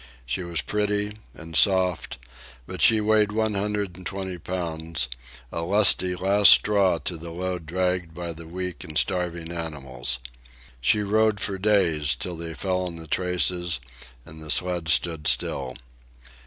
She was pretty and soft, but she weighed one hundred and twenty pounds—a lusty last straw to the load dragged by the weak and starving animals. She rode for days, till they fell in the traces and the sled stood still.